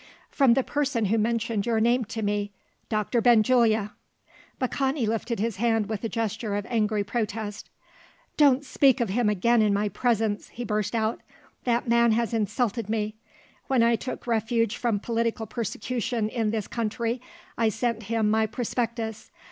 "From the person who mentioned your name to me Doctor Benjulia." Baccani lifted his hand with a gesture of angry protest. "Don't speak of him again in my presence!" he burst out. "That man has insulted me. When I took refuge from political persecution in this country, I sent him my prospectus.